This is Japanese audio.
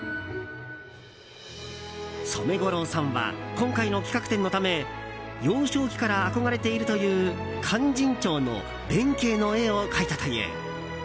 染五郎さんは今回の企画展のため幼少期から憧れているという「勧進帳」の弁慶の絵を描いたという。